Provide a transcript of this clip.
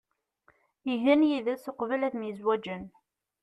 Igen yid-s uqbel ad myezwaǧen.